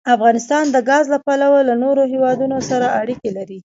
افغانستان د ګاز له پلوه له نورو هېوادونو سره اړیکې لري.